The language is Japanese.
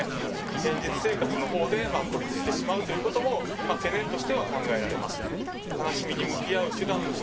現実生活の方で孤立してしまうということも懸念としては考えられます。